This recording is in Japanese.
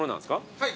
はい。